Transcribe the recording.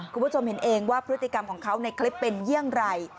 คุณผู้ชมเห็นเองว่าพฤติกรรมของเขาในคลิปเป็นอย่างไร